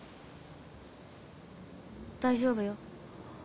大丈夫よ。